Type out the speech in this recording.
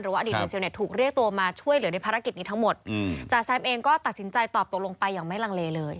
อดีตหน่วยซิลเนี่ยถูกเรียกตัวมาช่วยเหลือในภารกิจนี้ทั้งหมดจ่าแซมเองก็ตัดสินใจตอบตัวลงไปอย่างไม่ลังเลเลย